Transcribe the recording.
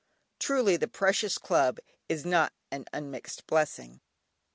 Truly the precious club is not an unmixed blessing!